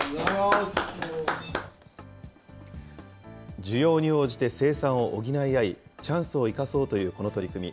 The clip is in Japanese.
需要に応じて生産を補い合い、チャンスを生かそうというこの取り組み。